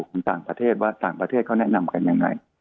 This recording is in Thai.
ของต่างประเทศว่าต่างประเทศเขาแนะนำกันยังไง